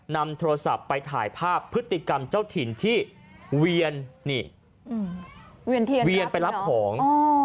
นำโทรศัพท์ไปถ่ายภาพพฤติกรรมเจ้าถิ่นที่เวียนนี่เวียนไปรับของ